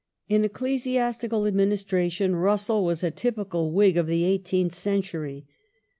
In ecclesiastical administration Russell was a typical Whig of Ecclesias the eighteenth century.